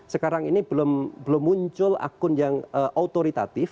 sekarang ini belum muncul akun yang autoritatif